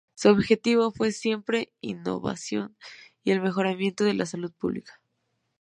Su objetivo fue siempre la innovación y el mejoramiento de la Salud Pública.